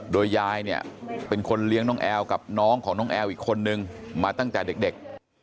โดยยายเนี่ยเป็นคนเลี้ยงน้องแอลกับน้องของน้องแอลอีกคนนึงมาตั้งแต่เด็ก